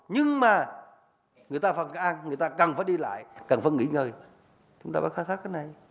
nhưng mà người ta cần phải đi lại cần phải nghỉ ngơi chúng ta phải khai thác cái này